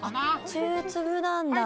中粒なんだ。